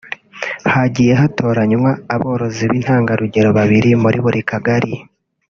Hagiye hatoranywa aborozi b’intangarugero babiri muri buri mu Kagari